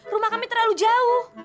rumah kami terlalu jauh